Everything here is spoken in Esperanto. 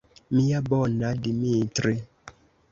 Mia bona Dimitri!